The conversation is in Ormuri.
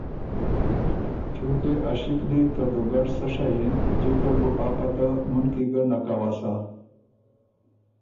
چونکې ا شِکلی ته دُوګډ سۀ شئ اِن جکه ر بُو آ پته مُنکی ګه نک اؤسا